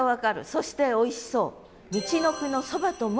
そしておいしそう。